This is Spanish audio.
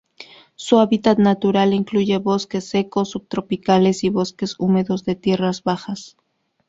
Su hábitat natural incluye bosques secos subtropicales y bosques húmedos de tierras bajas.